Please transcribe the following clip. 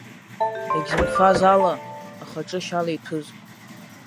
Егьзымфаз ала ахаҿы шьала иҭәыз!